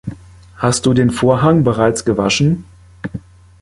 Hast du den Vorhang bereits gewaschen?